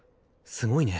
すごいね。